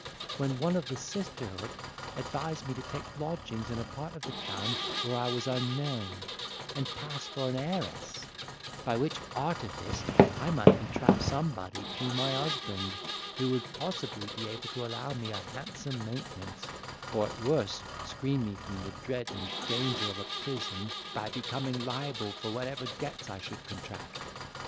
when one of the sisterhood advised me to take lodgings in a part of the town where I was unknown, and pass for an heiress, by which artifice I might entrap somebody to be my husband, who would possibly be able to allow me a handsome maintenance, or at worst screen me from the dread and danger of a prison, by becoming liable for whatever debts I should contract.